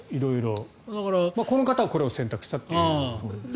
この方はこれを選択したということですね。